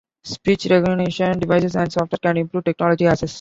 Speech recognition devices and software can improve technology access.